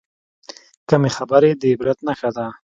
کمې خبرې، د عبرت نښه ده.